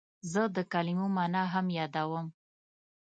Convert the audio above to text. زه د کلمو مانا هم یادوم.